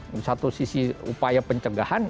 di satu sisi upaya pencegahan